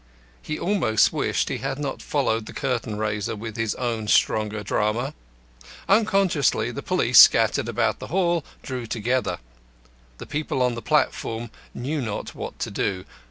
He almost wished he had not followed the curtain raiser with his own stronger drama. Unconsciously the police, scattered about the hall, drew together. The people on the platform knew not what to do.